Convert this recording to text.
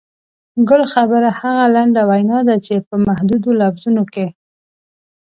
ګل خبره هغه لنډه وینا ده چې په محدودو لفظونو کې.